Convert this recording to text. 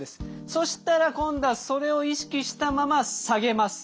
そしたら今度はそれを意識したまま下げます。